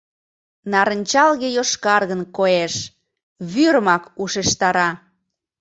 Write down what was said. Нарынчалге-йошкаргын коеш, вӱрымак ушештара.